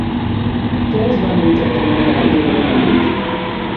Què es van intercanviar durant la nit?